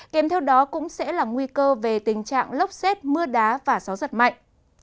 kèm theo đó cũng sẽ là nguy cơ về tình trạng lốc xét mưa đá và gió giật mạnh